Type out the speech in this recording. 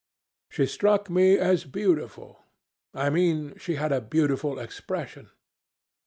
She struck me as beautiful I mean she had a beautiful expression.